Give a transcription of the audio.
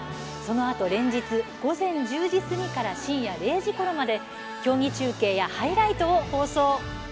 そのあと連日午前１０時過ぎから深夜０時ごろまで競技中継やハイライトを放送。